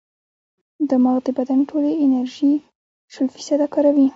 دماغ د بدن ټولې انرژي شل فیصده کاروي.